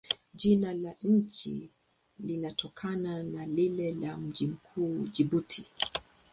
Jina la nchi linatokana na lile la mji mkuu, Jibuti.